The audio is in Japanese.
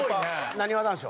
なにわ男子